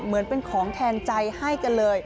เหมือนเป็นของแทนใจให้กันเลย